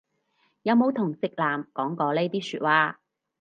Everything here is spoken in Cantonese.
有冇同直男講過呢啲説話